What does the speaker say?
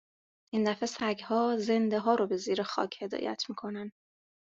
این دفعه سگها، زنده ها رو به زیر خاک هدایت میکنن